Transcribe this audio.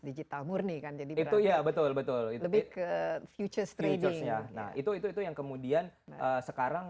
digital murni kan jadi itu ya betul betul lebih ke future trading itu itu yang kemudian sekarang